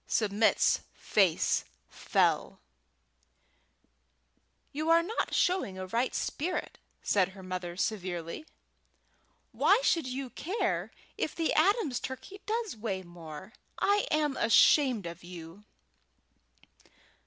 Submit's face fell. "You are not showing a right spirit," said her mother, severely. "Why should you care if the Adams' turkey does weigh more? I am ashamed of you!"